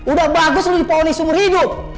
udah bagus lo dipohon isumur hidup